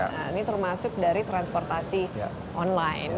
nah ini termasuk dari transportasi online